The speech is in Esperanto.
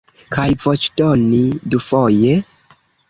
Kaj voĉdoni dufoje?